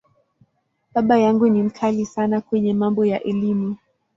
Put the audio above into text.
Baba yangu ni ‘mkali’ sana kwenye mambo ya Elimu.